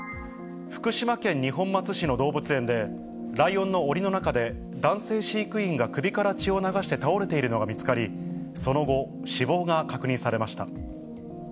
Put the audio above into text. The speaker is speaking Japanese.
福島県二本松市の動物園で、ライオンのおりの中で、男性飼育員が首から血を流して倒れているのが見つかり、その後、死亡が確認されました。